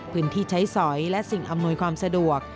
พื้นที่ใช้สอยและสิ่งอำนวยความสะดวก